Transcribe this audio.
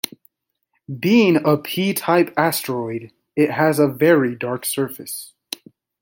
Being a P-type asteroid, it has a very dark surface.